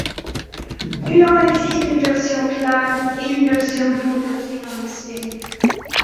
Il en existe une version plane et une version pour le triangle sphérique.